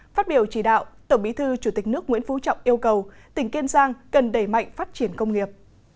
phát biểu chỉ đạo tổng bí thư chủ tịch nước nguyễn phú trọng yêu cầu tỉnh kiên giang cần đẩy mạnh phát triển công nghiệp